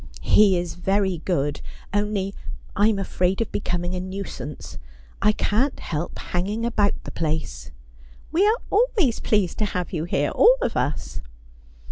' He is very good — only — I'm afraid of becoming a nuisance. I can't help hanging about the place.' ' We are always pleased to have you here — all of us.'